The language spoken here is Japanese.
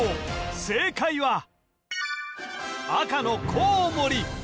正解は赤のコウモリ